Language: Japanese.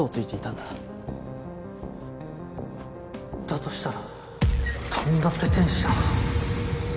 だとしたらとんだペテン師だな。